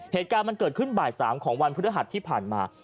เหตุการณ์มันเกิดขึ้นบ่าย๓ของวันพฤหัสที่ผ่านมา